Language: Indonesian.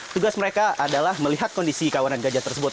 tugas mereka adalah melihat kondisi kawanan gajah tersebut